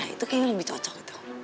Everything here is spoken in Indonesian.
itu kayaknya lebih cocok